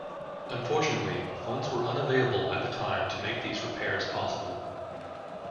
Unfortunately, funds were unavailable at the time to make these repairs possible.